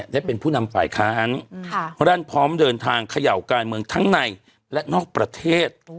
ได้เป็นผู้นำฝ่ายค้านรั่นพร้อมเดินทางเขย่าการเมืองทั้งในและนอกประเทศ